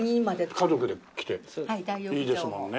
家族で来ていいですもんね。